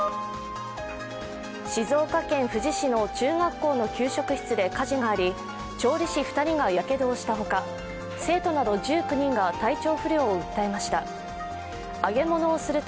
静岡県富士市の中学校の給食室で火事があり調理師２人がやけどをしたほか、生徒など１９人が体調不良を訴えました。